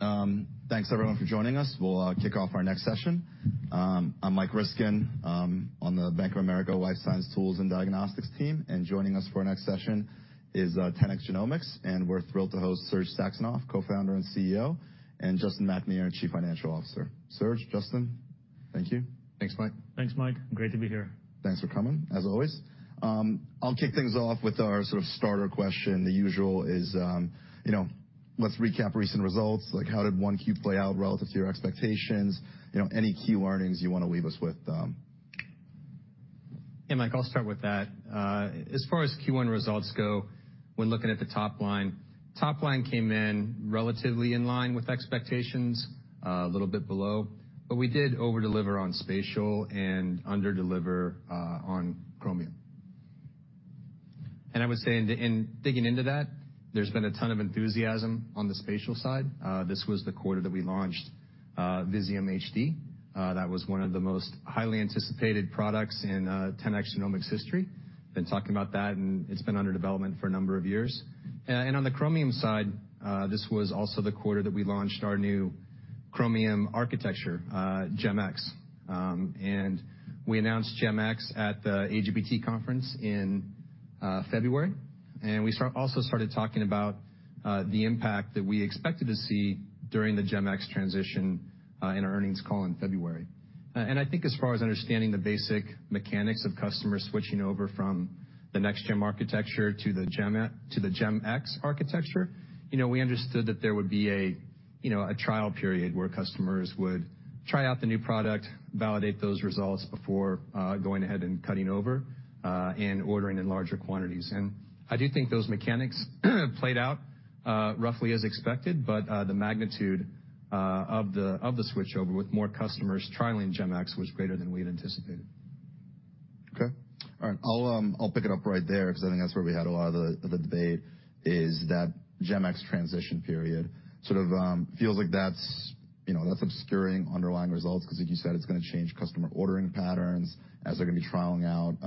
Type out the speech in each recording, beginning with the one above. All right, thanks everyone for joining us. We'll kick off our next session. I'm Michael Ryskin, on the Bank of America Life Science Tools and Diagnostics team, and joining us for our next session is 10x Genomics, and we're thrilled to host Serge Saxonov, Co-founder and CEO, and Justin McAnear, Chief Financial Officer. Serge, Justin, thank you. Thanks, Mike. Thanks, Mike. Great to be here. Thanks for coming, as always. I'll kick things off with our sort of starter question. The usual is, you know, let's recap recent results. Like, how did 1Q play out relative to your expectations? You know, any key learnings you want to leave us with. Yeah, Mike, I'll start with that. As far as Q1 results go, when looking at the top line, top line came in relatively in line with expectations, a little bit below, but we did over-deliver on spatial and under-deliver on Chromium. I would say in digging into that, there's been a ton of enthusiasm on the spatial side. This was the quarter that we launched Visium HD. That was one of the most highly anticipated products in 10x Genomics history. Been talking about that, and it's been under development for a number of years. And on the Chromium side, this was also the quarter that we launched our new Chromium architecture, GEM-X. And we announced GEM-X at the AGBT conference in February, and we also started talking about the impact that we expected to see during the GEM-X transition in our earnings call in February. I think as far as understanding the basic mechanics of customers switching over from the Next GEM architecture to the GEM-X architecture, you know, we understood that there would be a, you know, a trial period where customers would try out the new product, validate those results before going ahead and cutting over, and ordering in larger quantities. I do think those mechanics played out, roughly as expected, but the magnitude of the switchover with more customers trialing GEM-X was greater than we had anticipated. Okay. All right. I'll, I'll pick it up right there 'cause I think that's where we had a lot of the debate, is that GEM-X transition period sort of, feels like that's, you know, that's obscuring underlying results 'cause, like you said, it's gonna change customer ordering patterns as they're gonna be trialing out,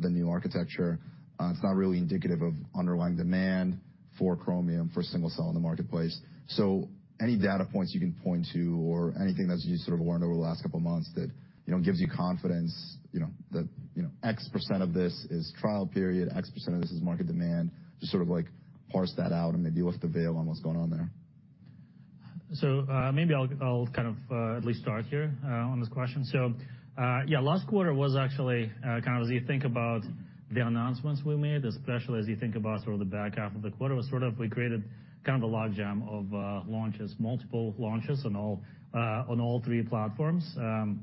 the new architecture. It's not really indicative of underlying demand for Chromium for single-cell in the marketplace. So any data points you can point to or anything that you sort of learned over the last couple months that, you know, gives you confidence, you know, that, you know, X% of this is trial period, X% of this is market demand, just sort of, like, parse that out and maybe lift the veil on what's going on there? So, maybe I'll kind of at least start here on this question. Yeah, last quarter was actually kind of as you think about the announcements we made, especially as you think about sort of the back half of the quarter, was sort of we created kind of a logjam of launches, multiple launches on all three platforms. And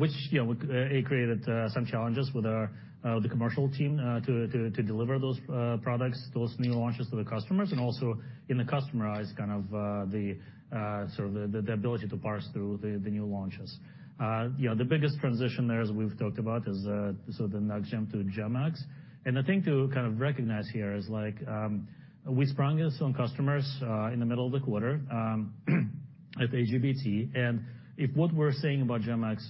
which, you know, we, it created some challenges with our commercial team to deliver those products, those new launches to the customers, and also in the customers' eyes kind of the sort of the ability to parse through the new launches. You know, the biggest transition there as we've talked about is sort of the Next GEM to GEM-X. The thing to kind of recognize here is, like, we sprung this on customers, in the middle of the quarter, at AGBT, and if what we're saying about GEM-X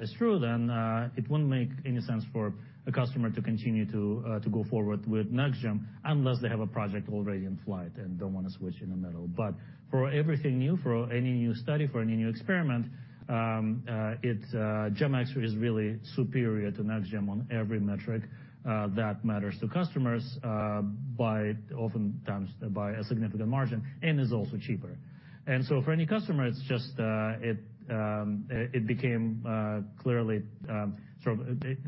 is true, then it wouldn't make any sense for a customer to continue to go forward with Next GEM unless they have a project already in flight and don't want to switch in the middle. But for everything new, for any new study, for any new experiment, GEM-X is really superior to Next GEM on every metric that matters to customers, oftentimes by a significant margin, and is also cheaper. So for any customer, it just became clearly a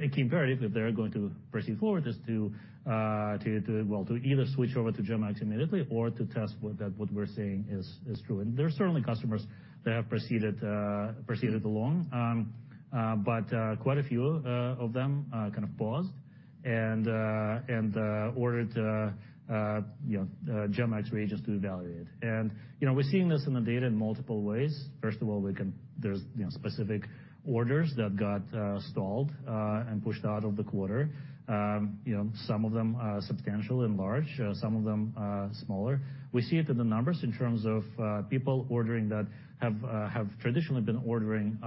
key imperative if they're going to proceed forward to either switch over to GEM-X immediately or to test what we're saying is true. And there's certainly customers that have proceeded along, but quite a few of them kind of paused and ordered, you know, GEM-X reagents to evaluate. And, you know, we're seeing this in the data in multiple ways. First of all, we can see there's, you know, specific orders that got stalled and pushed out of the quarter. You know, some of them substantially enlarged, some of them smaller. We see it in the numbers in terms of people ordering that have traditionally been ordering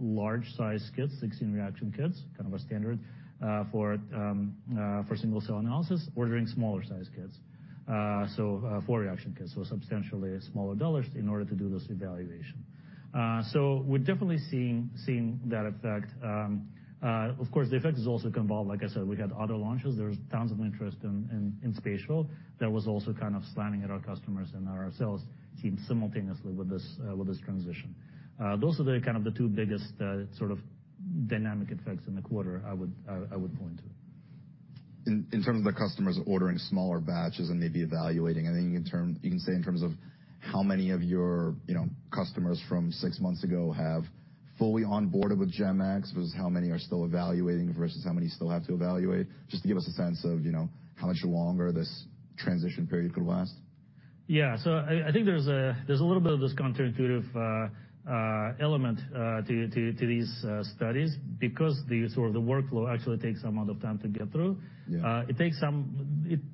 large-sized kits, 16-reaction kits, kind of a standard for single-cell analysis, ordering smaller-sized kits, so 4-reaction kits, so substantially smaller dollars in order to do this evaluation. So we're definitely seeing that effect. Of course, the effect is also convolved. Like I said, we had other launches. There's tons of interest in spatial. That was also kind of slamming at our customers and our sales team simultaneously with this, with this transition. Those are the kind of the two biggest, sort of dynamic effects in the quarter I would, I would point to. In terms of the customers ordering smaller batches and maybe evaluating, I think you can say in terms of how many of your, you know, customers from six months ago have fully onboarded with GEM-X versus how many are still evaluating versus how many still have to evaluate, just to give us a sense of, you know, how much longer this transition period could last? Yeah. So I think there's a little bit of this counterintuitive element to these studies because the sort of workflow actually takes some amount of time to get through. Yeah. It takes,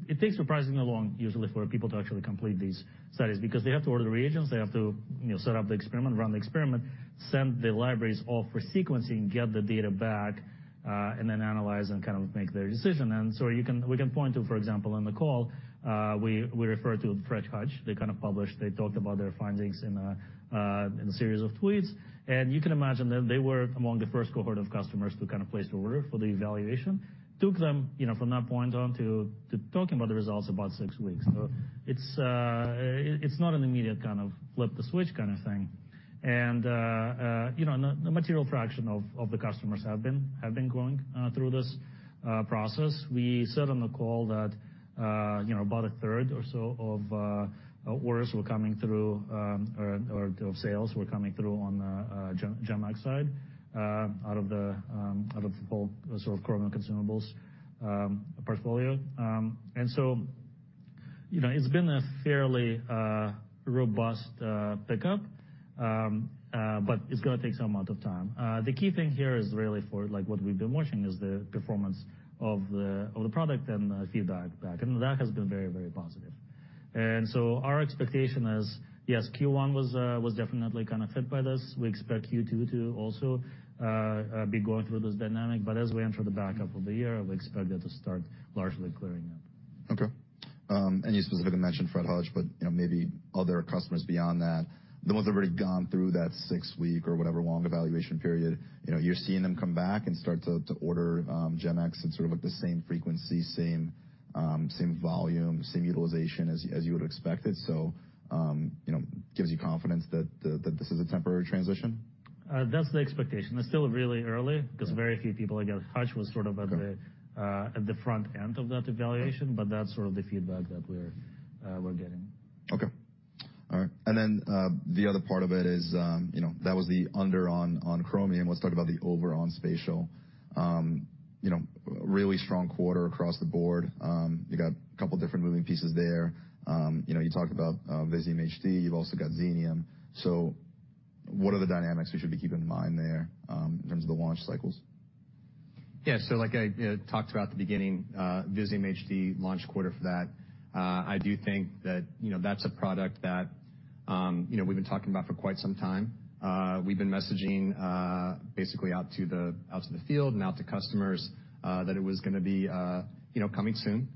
it takes surprisingly long usually for people to actually complete these studies because they have to order reagents. They have to, you know, set up the experiment, run the experiment, send the libraries off for sequencing, get the data back, and then analyze and kind of make their decision. And so you can, we can point to, for example, in the call, we, we referred to Fred Hutch. They kind of published, they talked about their findings in a, in a series of tweets. And you can imagine that they were among the first cohort of customers to kind of place the order for the evaluation, took them, you know, from that point on to, to talking about the results about six weeks. So it's, it's not an immediate kind of flip-the-switch kind of thing. You know, the material fraction of the customers have been going through this process. We said on the call that, you know, about a third or so of orders were coming through, or of sales were coming through on the GEM-X side, out of the whole sort of Chromium consumables portfolio. And so, you know, it's been a fairly robust pickup, but it's gonna take some amount of time. The key thing here is really, like, what we've been watching is the performance of the product and the feedback, and that has been very, very positive. And so our expectation is, yes, Q1 was definitely kind of fed by this. We expect Q2 to also be going through this dynamic, but as we enter the back half of the year, we expect that to start largely clearing up. Okay. And you specifically mentioned Fred Hutch, but, you know, maybe other customers beyond that, the ones that have already gone through that six-week or whatever long evaluation period, you know, you're seeing them come back and start to, to order, GEM-X at sort of, like, the same frequency, same, same volume, same utilization as, as you would have expected. So, you know, gives you confidence that, that, that this is a temporary transition? That's the expectation. It's still really early 'cause very few people again Hutch was sort of at the front end of that evaluation, but that's sort of the feedback that we're getting. Okay. All right. And then, the other part of it is, you know, that was the under-on, on Chromium. Let's talk about the over-on spatial. You know, really strong quarter across the board. You got a couple different moving pieces there. You know, you talked about Visium HD. You've also got Xenium. So what are the dynamics we should be keeping in mind there, in terms of the launch cycles? Yeah. So, like I talked about at the beginning, Visium HD launch quarter for that, I do think that, you know, that's a product that, you know, we've been talking about for quite some time. We've been messaging, basically out to the field and out to customers, that it was gonna be, you know, coming soon.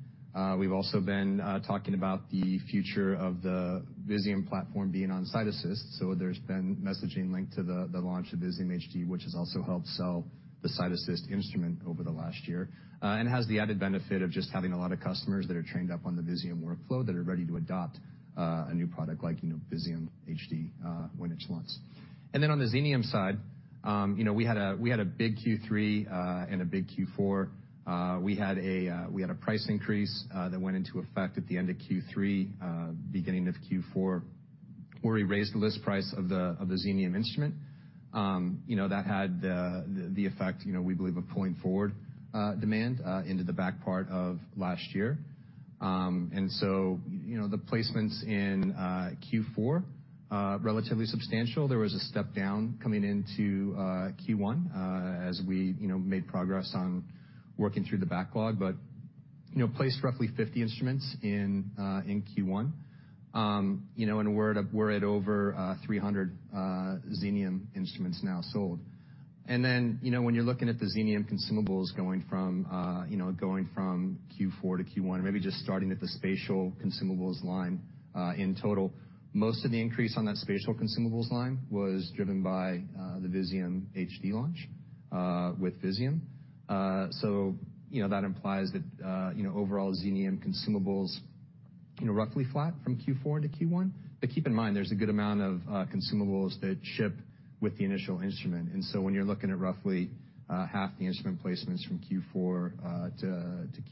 We've also been talking about the future of the Visium platform being on CytAssist. So there's been messaging linked to the launch of Visium HD, which has also helped sell the CytAssist instrument over the last year, and has the added benefit of just having a lot of customers that are trained up on the Visium workflow that are ready to adopt a new product like, you know, Visium HD, when it's launched. And then on the Xenium side, you know, we had a big Q3, and a big Q4. We had a price increase that went into effect at the end of Q3, beginning of Q4, where we raised the list price of the Xenium instrument. You know, that had the effect, you know, we believe, of pulling forward demand into the back part of last year. And so, you know, the placements in Q4 relatively substantial. There was a step down coming into Q1, as we, you know, made progress on working through the backlog, but, you know, placed roughly 50 instruments in Q1. You know, and we're at over 300 Xenium instruments now sold. And then, you know, when you're looking at the Xenium consumables going from Q4 to Q1 or maybe just starting at the spatial consumables line, in total, most of the increase on that spatial consumables line was driven by the Visium HD launch with Visium. So, you know, that implies that, you know, overall, Xenium consumables, you know, roughly flat from Q4 to Q1. But keep in mind, there's a good amount of consumables that ship with the initial instrument. And so when you're looking at roughly half the instrument placements from Q4 to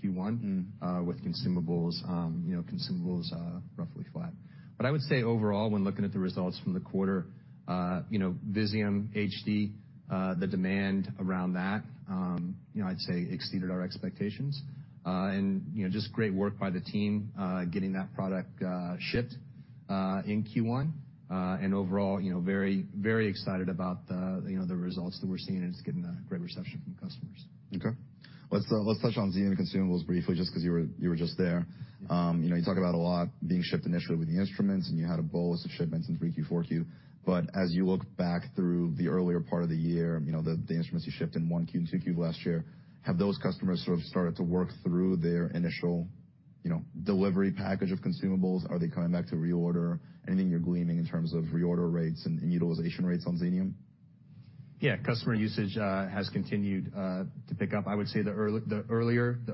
Q1. Mm-hmm. with consumables, you know, consumables, roughly flat. But I would say overall, when looking at the results from the quarter, you know, Visium HD, the demand around that, you know, I'd say exceeded our expectations. And, you know, just great work by the team, getting that product shipped in Q1, and overall, you know, very, very excited about the, you know, the results that we're seeing, and it's getting a great reception from customers. Okay. Let's touch on Xenium consumables briefly just 'cause you were just there. You know, you talk about a lot being shipped initially with the instruments, and you had a boatload of shipments in 3Q, 4Q. But as you look back through the earlier part of the year, you know, the instruments you shipped in 1Q and 2Q of last year, have those customers sort of started to work through their initial, you know, delivery package of consumables? Are they coming back to reorder? Anything you're gleaning in terms of reorder rates and utilization rates on Xenium? Yeah. Customer usage has continued to pick up. I would say the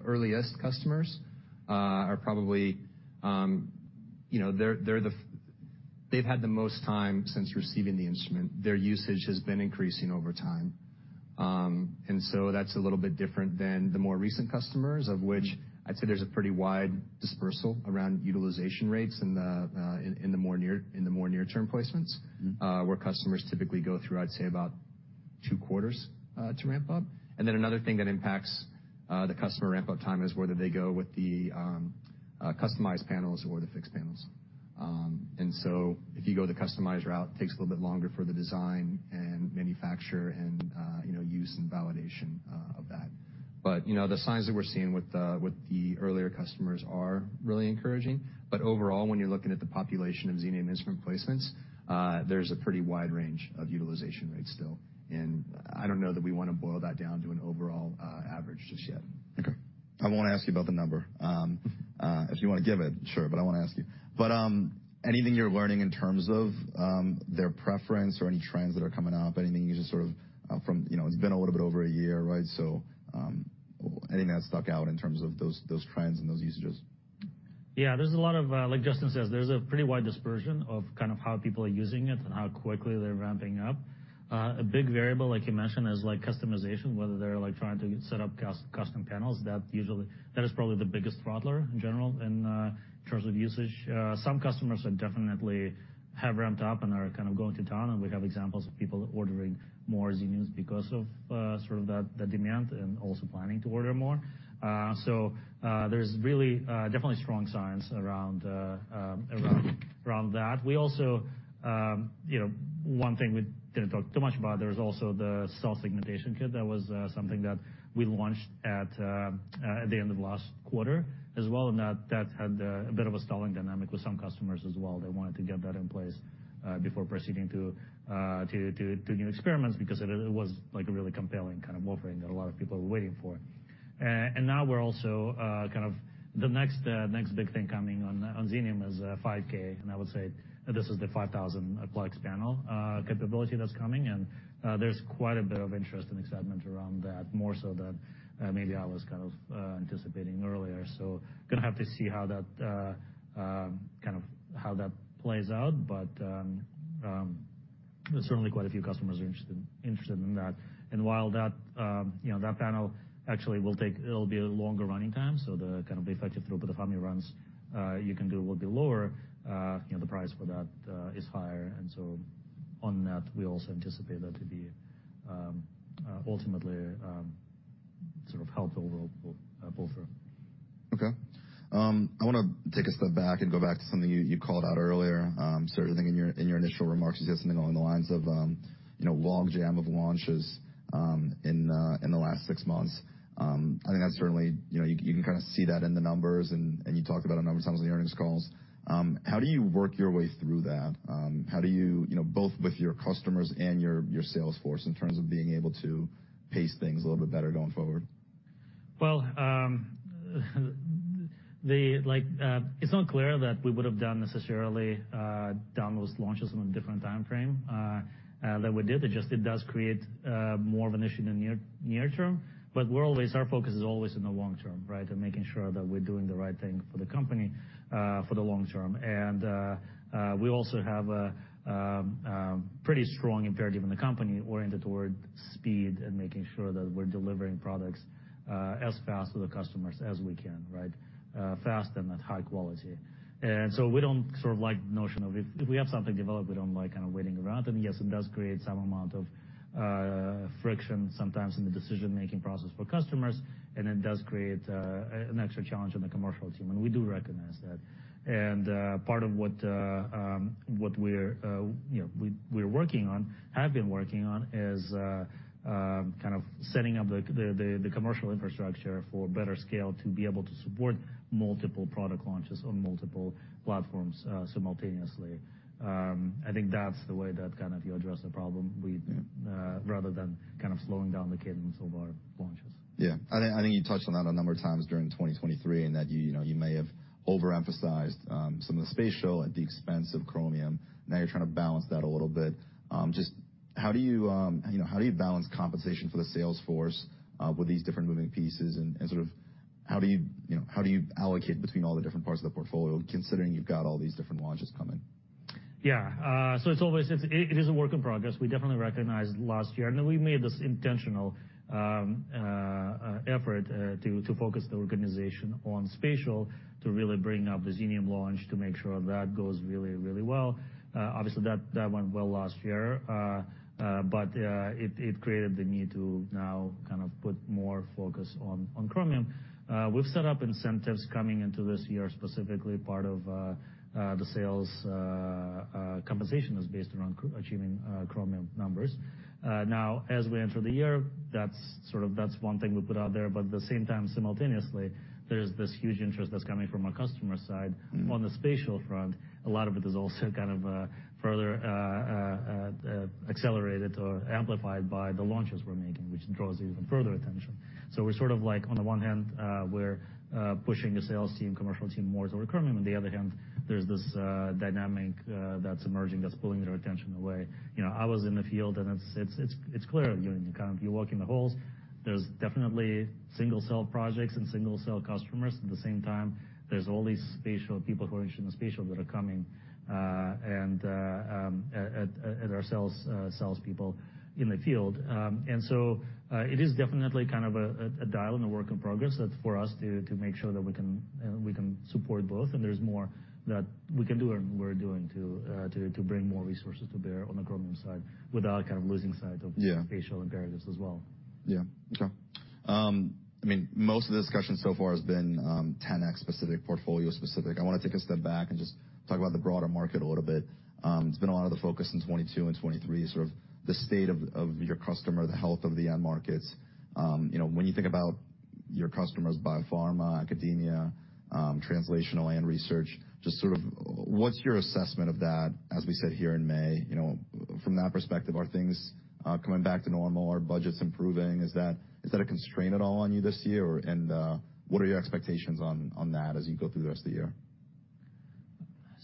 earliest customers are probably, you know, they've had the most time since receiving the instrument. Their usage has been increasing over time. And so that's a little bit different than the more recent customers, of which I'd say there's a pretty wide dispersal around utilization rates in the more near-term placements, where customers typically go through, I'd say, about two quarters to ramp up. And then another thing that impacts the customer ramp-up time is whether they go with the customized panels or the fixed panels. And so if you go the customized route, it takes a little bit longer for the design and manufacture and, you know, use and validation of that. But, you know, the signs that we're seeing with the earlier customers are really encouraging. But overall, when you're looking at the population of Xenium instrument placements, there's a pretty wide range of utilization rates still. And I don't know that we want to boil that down to an overall average just yet. Okay. I won't ask you about the number. If you want to give it, sure, but I won't ask you. But anything you're learning in terms of their preference or any trends that are coming up, anything you just sort of, from you know, it's been a little bit over a year, right? So anything that stuck out in terms of those, those trends and those usages? Yeah. There's a lot of, like Justin says, there's a pretty wide dispersion of kind of how people are using it and how quickly they're ramping up. A big variable, like you mentioned, is, like, customization, whether they're, like, trying to set up custom panels. That usually that is probably the biggest throttler in general in terms of usage. Some customers are definitely have ramped up and are kind of going to town, and we have examples of people ordering more Xeniums because of, sort of that, that demand and also planning to order more. So, there's really, definitely strong signs around, around, around that. We also, you know, one thing we didn't talk too much about, there was also the cell segmentation kit. That was something that we launched at the end of last quarter as well, and that had a bit of a stalling dynamic with some customers as well. They wanted to get that in place before proceeding to new experiments because it was, like, a really compelling kind of offering that a lot of people were waiting for. And now we're also kind of the next big thing coming on Xenium is 5K. And I would say this is the 5,000-plus panel capability that's coming. And there's quite a bit of interest and excitement around that more so than maybe I was kind of anticipating earlier. So gonna have to see how that kind of plays out. But there's certainly quite a few customers are interested in that. And while that, you know, that panel actually will take it'll be a longer running time, so the kind of the effective throughput of how many runs you can do will be lower. You know, the price for that is higher. And so on that, we also anticipate that to be ultimately sort of helpful will pull through. Okay. I wanna take a step back and go back to something you called out earlier, certainly thinking in your initial remarks, you said something along the lines of, you know, long jam of launches, in the last six months. I think that's certainly, you know, you can kind of see that in the numbers, and you talked about a number of times on the earnings calls. How do you work your way through that? How do you, you know, both with your customers and your sales force in terms of being able to pace things a little bit better going forward? Well, like, it's not clear that we would have necessarily done those launches on a different timeframe that we did. It just does create more of an issue in the near term. But we're always our focus is always in the long term, right, and making sure that we're doing the right thing for the company, for the long term. And we also have a pretty strong imperative in the company oriented toward speed and making sure that we're delivering products as fast to the customers as we can, right, fast and at high quality. And so we don't sort of like the notion of if we have something developed, we don't like kind of waiting around. And yes, it does create some amount of friction sometimes in the decision-making process for customers, and it does create an extra challenge on the commercial team, and we do recognize that. And part of what we're, you know, working on, have been working on is kind of setting up the commercial infrastructure for better scale to be able to support multiple product launches on multiple platforms simultaneously. I think that's the way that kind of you address the problem rather than kind of slowing down the cadence of our launches. Yeah. I think I think you touched on that a number of times during 2023 and that you, you know, you may have overemphasized some of the spatial at the expense of Chromium. Now you're trying to balance that a little bit. Just how do you, you know, how do you balance compensation for the sales force with these different moving pieces and, and sort of how do you, you know, how do you allocate between all the different parts of the portfolio considering you've got all these different launches coming? Yeah. So it's always a work in progress. We definitely recognized last year, and then we made this intentional effort to focus the organization on spatial to really bring up the Xenium launch to make sure that goes really, really well. Obviously, that went well last year, but it created the need to now kind of put more focus on Chromium. We've set up incentives coming into this year specifically. Part of the sales compensation is based around achieving Chromium numbers. Now, as we enter the year, that's one thing we put out there. But at the same time, simultaneously, there's this huge interest that's coming from our customer side on the spatial front. A lot of it is also kind of further accelerated or amplified by the launches we're making, which draws even further attention. So we're sort of like, on the one hand, we're pushing the sales team, commercial team more toward Chromium. On the other hand, there's this dynamic that's emerging that's pulling their attention away. You know, I was in the field, and it's clear you're kind of walking the halls. There's definitely single-cell projects and single-cell customers. At the same time, there's all these spatial people who are interested in spatial that are coming, and at our salespeople in the field. So it is definitely kind of a dial in a work in progress that's for us to make sure that we can support both. There's more that we can do and we're doing to bring more resources to bear on the Chromium side without kind of losing sight of. Yeah. Spatial imperatives as well. Yeah. Okay. I mean, most of the discussion so far has been 10x specific, portfolio specific. I wanna take a step back and just talk about the broader market a little bit. It's been a lot of the focus in 2022 and 2023, sort of the state of, of your customer, the health of the end markets. You know, when you think about your customers biopharma, academia, translational and research, just sort of what's your assessment of that, as we said here in May? You know, from that perspective, are things coming back to normal? Are budgets improving? Is that is that a constraint at all on you this year? Or and, what are your expectations on, on that as you go through the rest of the year?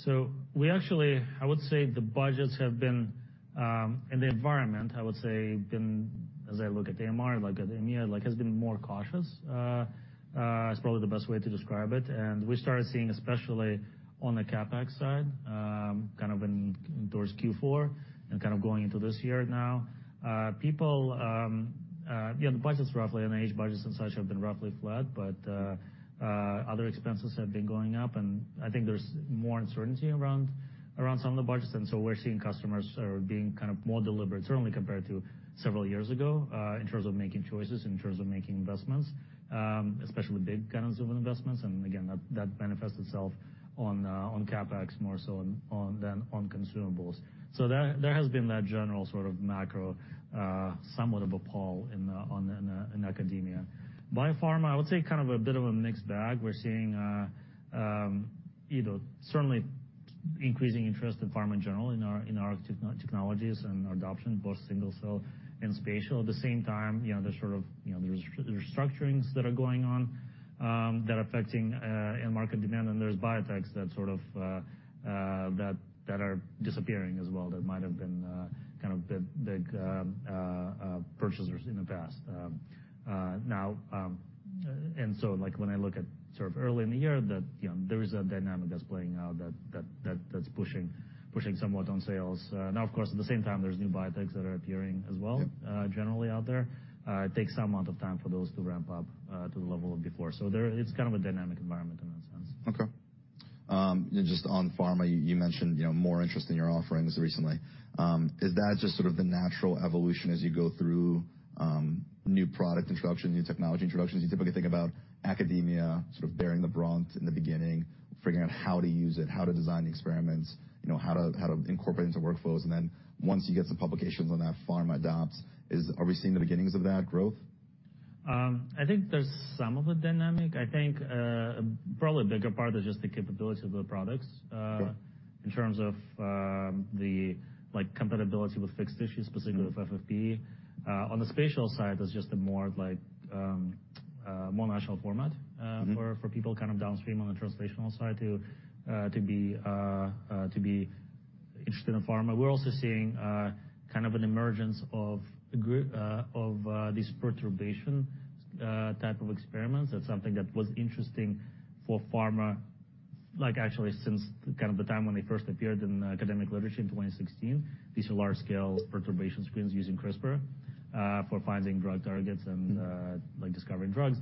So we actually, I would say, the budgets have been, and the environment, I would say, been as I look at AMR, like at EMEA, like, has been more cautious, is probably the best way to describe it. And we started seeing, especially on the CapEx side, kind of in towards Q4 and kind of going into this year now, people, you know, the budgets roughly and the R&D budgets and such have been roughly flat, but other expenses have been going up. And I think there's more uncertainty around some of the budgets. And so we're seeing customers are being kind of more deliberate, certainly compared to several years ago, in terms of making choices, in terms of making investments, especially big kind of investments. And again, that manifests itself on CapEx more so than on consumables. So there has been that general sort of macro, somewhat of a pull in on academia. Biopharma, I would say kind of a bit of a mixed bag. We're seeing, you know, certainly increasing interest in pharma in general in our technologies and adoption, both single-cell and spatial. At the same time, you know, there's sort of you know, there's restructurings that are going on that are affecting end market demand. And there's biotechs that sort of that are disappearing as well that might have been kind of big purchasers in the past. Now, and so, like, when I look at sort of early in the year, you know, there is a dynamic that's playing out that that's pushing somewhat on sales. Now, of course, at the same time, there's new biotechs that are appearing as well, generally out there. It takes some amount of time for those to ramp up, to the level of before. So there it's kind of a dynamic environment in that sense. Okay. Just on pharma, you mentioned, you know, more interest in your offerings recently. Is that just sort of the natural evolution as you go through new product introduction, new technology introductions? You typically think about academia, sort of bearing the brunt in the beginning, figuring out how to use it, how to design the experiments, you know, how to incorporate it into workflows. And then once you get some publications on that, pharma adopts. Are we seeing the beginnings of that growth? I think there's some of a dynamic. I think, probably a bigger part is just the capability of the products, in terms of, like, compatibility with fixed tissues, specifically with FFPE. On the spatial side, there's just a more, like, more natural format, for people kind of downstream on the translational side to be interested in pharma. We're also seeing, kind of an emergence of a group of these perturbation-type of experiments. That's something that was interesting for pharma, like, actually since kind of the time when they first appeared in academic literature in 2016. These are large-scale perturbation screens using CRISPR, for finding drug targets and, like, discovering drugs.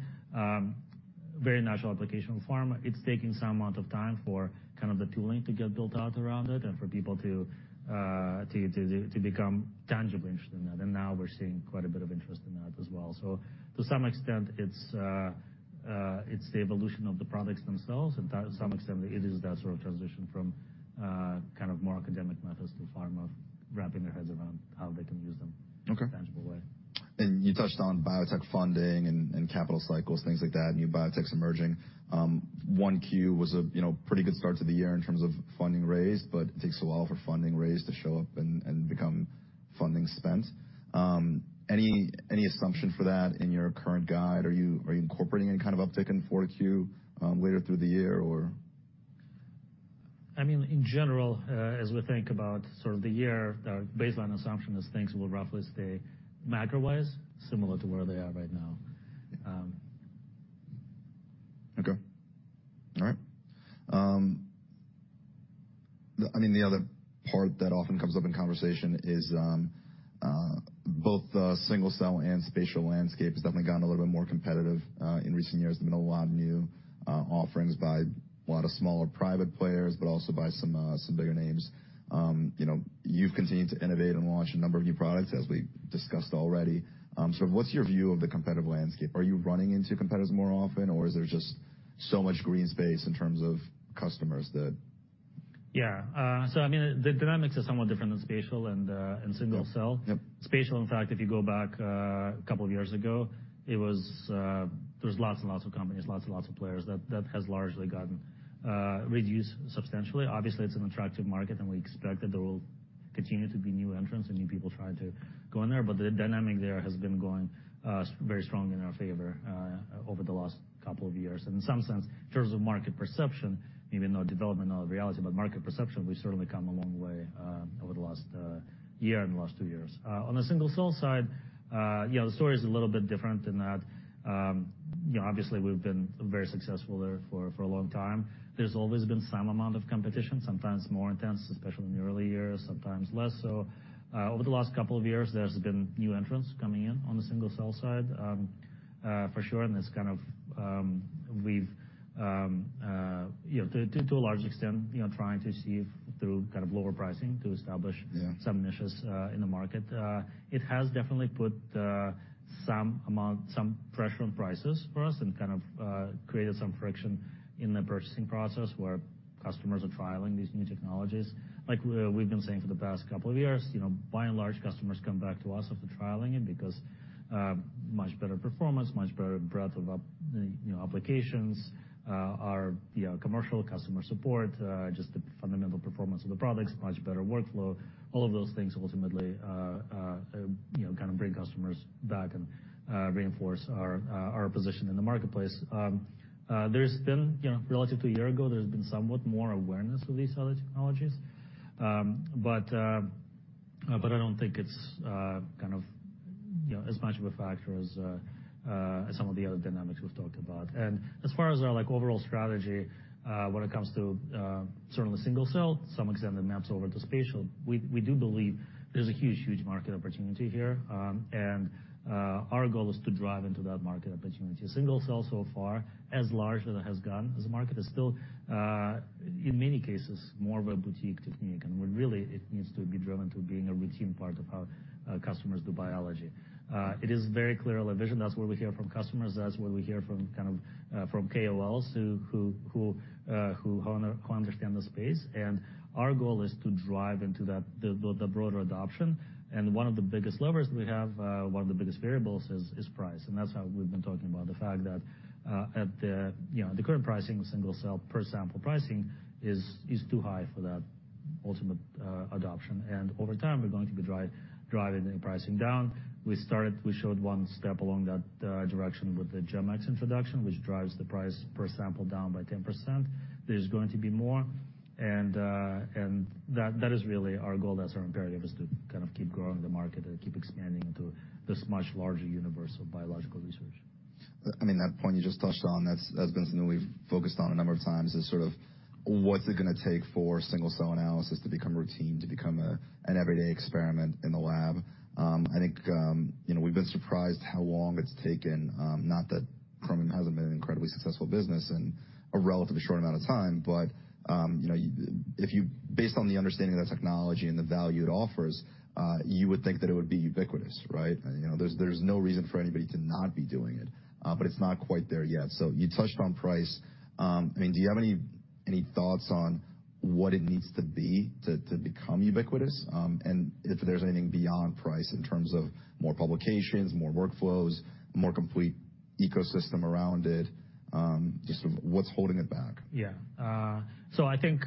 Very natural application of pharma. It's taking some amount of time for kind of the tooling to get built out around it and for people to become tangibly interested in that. Now we're seeing quite a bit of interest in that as well. To some extent, it's the evolution of the products themselves. To some extent, it is that sort of transition from, kind of more academic methods to pharma wrapping their heads around how they can use them in a tangible way. Okay. And you touched on biotech funding and capital cycles, things like that, new biotechs emerging. 1Q was a, you know, pretty good start to the year in terms of funding raised, but it takes a while for funding raised to show up and become funding spent. Any assumption for that in your current guide? Are you incorporating any kind of uptick in 4Q later through the year, or? I mean, in general, as we think about sort of the year, our baseline assumption is things will roughly stay macro-wise similar to where they are right now. Okay. All right. I mean, the other part that often comes up in conversation is, both the single-cell and spatial landscape has definitely gotten a little bit more competitive in recent years. There've been a lot of new offerings by a lot of smaller private players but also by some bigger names. You know, you've continued to innovate and launch a number of new products, as we discussed already. Sort of, what's your view of the competitive landscape? Are you running into competitors more often, or is there just so much green space in terms of customers that? Yeah. So I mean, the dynamics are somewhat different than spatial and single-cell. Spatial, in fact, if you go back a couple of years ago, it was there was lots and lots of companies, lots and lots of players that has largely gotten reduced substantially. Obviously, it's an attractive market, and we expect that there will continue to be new entrants and new people trying to go in there. But the dynamic there has been going very strong in our favor over the last couple of years. And in some sense, in terms of market perception maybe not development, not reality, but market perception, we've certainly come a long way over the last year and the last two years. On the single-cell side, you know, the story is a little bit different in that, you know, obviously, we've been very successful there for a long time. There's always been some amount of competition, sometimes more intense, especially in the early years, sometimes less so. Over the last couple of years, there's been new entrants coming in on the single-cell side, for sure. And it's kind of, we've, you know, to a large extent, you know, trying to see through kind of lower pricing to establish some niches in the market. It has definitely put some amount of pressure on prices for us and kind of created some friction in the purchasing process where customers are trialing these new technologies. Like, we've been saying for the past couple of years, you know, by and large, customers come back to us after trialing it because much better performance, much better breadth of, you know, applications, our, you know, commercial customer support, just the fundamental performance of the products, much better workflow. All of those things ultimately, you know, kind of bring customers back and reinforce our position in the marketplace. There's been, you know, relative to a year ago, somewhat more awareness of these other technologies. But I don't think it's, kind of, you know, as much of a factor as some of the other dynamics we've talked about. As far as our, like, overall strategy, when it comes to certainly single-cell, to some extent, it maps over to spatial. We do believe there's a huge market opportunity here. Our goal is to drive into that market opportunity. Single-cell so far, as large as it has gone as a market, is still, in many cases, more of a boutique technique. And we really it needs to be driven to being a routine part of how customers do biology. It is very clear, our vision. That's what we hear from customers. That's what we hear from kind of from KOLs who understand the space. And our goal is to drive into that the broader adoption. And one of the biggest levers that we have, one of the biggest variables is price. And that's how we've been talking about the fact that, at the, you know, at the current pricing, single-cell per sample pricing is too high for that ultimate adoption. And over time, we're going to be driving the pricing down. We started, we showed one step along that direction with the GEM-X introduction, which drives the price per sample down by 10%. There's going to be more. And that is really our goal. That's our imperative is to kind of keep growing the market and keep expanding into this much larger universe of biological research. I mean, that point you just touched on that's, that's been something we've focused on a number of times is sort of what's it gonna take for single-cell analysis to become routine, to become a, an everyday experiment in the lab. I think, you know, we've been surprised how long it's taken, not that Chromium hasn't been an incredibly successful business in a relatively short amount of time, but, you know, if you based on the understanding of that technology and the value it offers, you would think that it would be ubiquitous, right? You know, there's, there's no reason for anybody to not be doing it, but it's not quite there yet. So you touched on price. I mean, do you have any, any thoughts on what it needs to be to, to become ubiquitous? If there's anything beyond price in terms of more publications, more workflows, more complete ecosystem around it, just sort of what's holding it back? Yeah. So I think,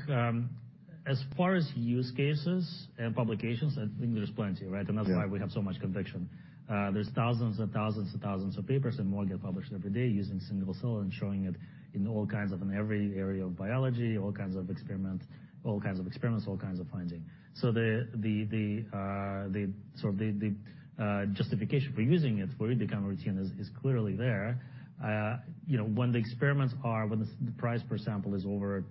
as far as use cases and publications, I think there's plenty, right? And that's why we have so much conviction. There's thousands and thousands and thousands of papers and more get published every day using single-cell and showing it in all kinds of, in every area of biology, all kinds of experiments, all kinds of findings. So the sort of justification for using it, for it to become routine, is clearly there. You know, when the price per sample is over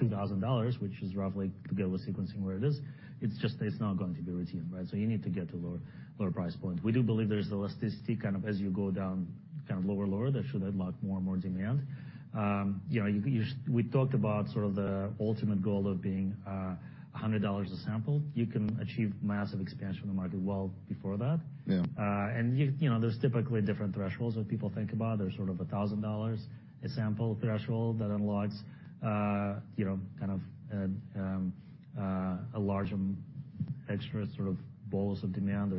$2,000, which is roughly together with sequencing where it is, it's just not going to be routine, right? So you need to get to a lower price point. We do believe there's elasticity kind of as you go down kind of lower that should unlock more demand. You know, we talked about sort of the ultimate goal of being $100 a sample. You can achieve massive expansion in the market well before that. And you know, there's typically different thresholds that people think about. There's sort of $1,000 a sample threshold that unlocks, you know, kind of a larger extra sort of bolus of demand.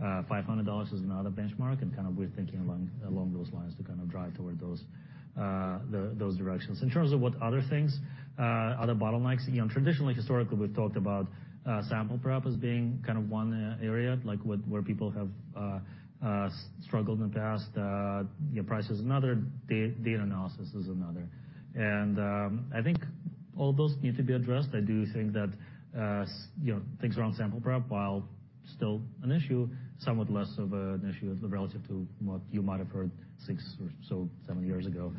There's $500 as another benchmark. And we're thinking along those lines to kind of drive toward those directions. In terms of other bottlenecks, you know, traditionally, historically, we've talked about sample prep as being kind of one area, like where people have struggled in the past. You know, price is another. Data analysis is another. And I think all those need to be addressed. I do think that, you know, things around sample prep, while still an issue, somewhat less of an issue relative to what you might have heard 6 or so, 7 years ago.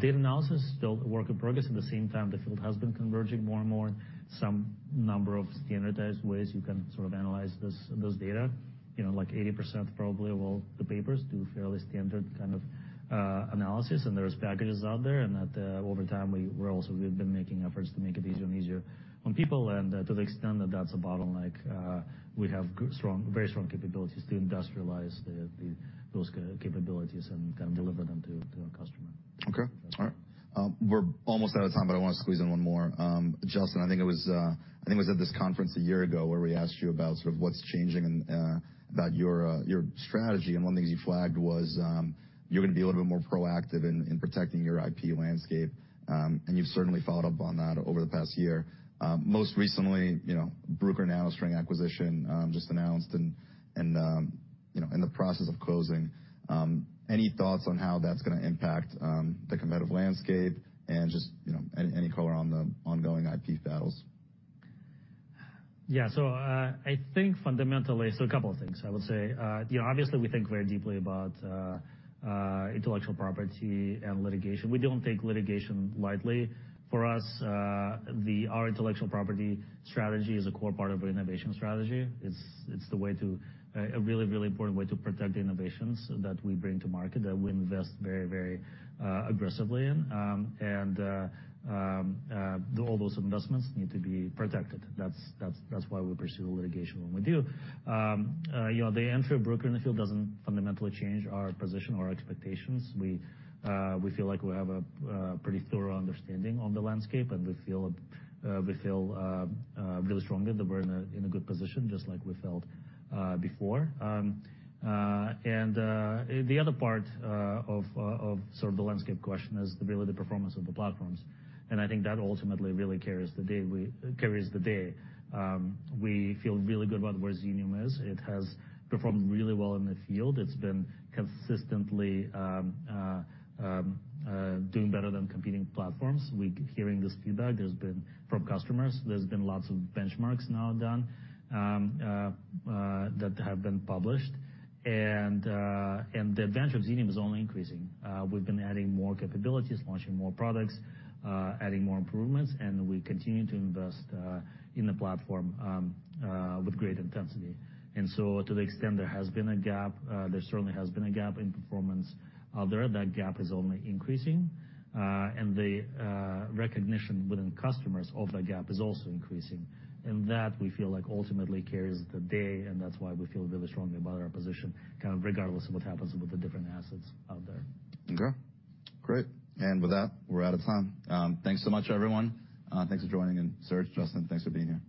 Data analysis is still a work in progress. At the same time, the field has been converging more and more. Some number of standardized ways you can sort of analyze this data. You know, like, 80% probably of all the papers do fairly standard kind of analysis. And there's packages out there. And that, over time, we've been making efforts to make it easier and easier on people. And to the extent that that's a bottleneck, we have very strong capabilities to industrialize those capabilities and kind of deliver them to our customer. Okay. All right. We're almost out of time, but I wanna squeeze in one more. Justin, I think it was, I think it was at this conference a year ago where we asked you about sort of what's changing in, about your, your strategy. And one of the things you flagged was, you're gonna be a little bit more proactive in, in protecting your IP landscape. And you've certainly followed up on that over the past year. Most recently, you know, Bruker NanoString acquisition, just announced and, and, you know, in the process of closing. Any thoughts on how that's gonna impact the competitive landscape and just, you know, any, any color on the ongoing IP battles? Yeah. So, I think fundamentally, so a couple of things, I would say. You know, obviously, we think very deeply about intellectual property and litigation. We don't take litigation lightly. For us, our intellectual property strategy is a core part of our innovation strategy. It's, it's the way to a really, really important way to protect the innovations that we bring to market that we invest very, very aggressively in. And all those investments need to be protected. That's why we pursue litigation when we do. You know, the entry of Bruker in the field doesn't fundamentally change our position or our expectations. We feel like we have a pretty thorough understanding of the landscape, and we feel really strongly that we're in a good position, just like we felt before. The other part of the landscape question is really the performance of the platforms. And I think that ultimately really carries the day we carries the day. We feel really good about where Xenium is. It has performed really well in the field. It's been consistently doing better than competing platforms. We're hearing this feedback; there's been from customers. There's been lots of benchmarks now done that have been published. And the advantage of Xenium is only increasing. We've been adding more capabilities, launching more products, adding more improvements, and we continue to invest in the platform with great intensity. And so to the extent there has been a gap, there certainly has been a gap in performance out there. That gap is only increasing. And the recognition within customers of that gap is also increasing. And that we feel like ultimately carries the day. That's why we feel really strongly about our position, kind of regardless of what happens with the different assets out there. Okay. Great. With that, we're out of time. Thanks so much, everyone. Thanks for joining, and Serge, Justin, thanks for being here.